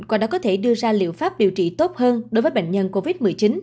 qua đó có thể đưa ra liệu pháp điều trị tốt hơn đối với bệnh nhân covid một mươi chín